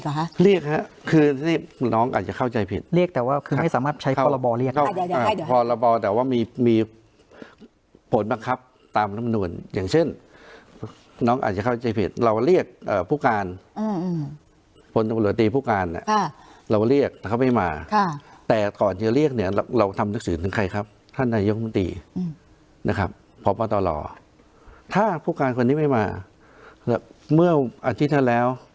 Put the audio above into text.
คือนี่น้องอาจจะเข้าใจผิดเรียกแต่ว่าคือไม่สามารถใช้พอระบอเรียกพอระบอแต่ว่ามีมีผลบังคับตามน้ำนวลอย่างเช่นน้องอาจจะเข้าใจผิดเราเรียกอ่าผู้การอืมอืมผลบริหารตีผู้การน่ะค่ะเราเรียกแล้วเขาไม่มาค่ะแต่ก่อนจะเรียกเนี้ยเราเราทำนักศึกษ์ถึงใครครับท่านไนยกฤติอืมนะครับพระบาทตลอ